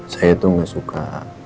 saya tuh gak suka